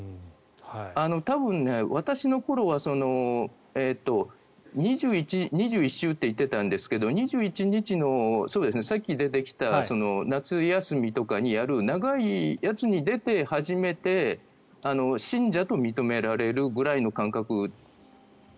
多分、私の頃は２１週といっていたんですが２１日の、さっき出てきた夏休みとかにやる長いやつに出て初めて信者と認められるぐらいの感覚。